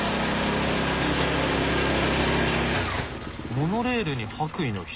モノレールに白衣の人？